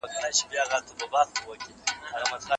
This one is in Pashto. هغه حاکمان چي پوه دي، تېروتني نه کوي.